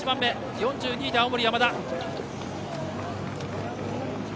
４２位で青森山田。